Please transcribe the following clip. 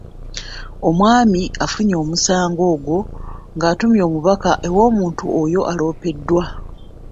Omwami afunye omusango ogwo ng’atuma omubaka ew’omuntu oyo aloopeddwa.